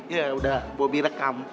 ya udah bobi rekam